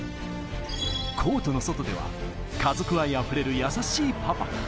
コートの外では、家族愛あふれる優しいパパ。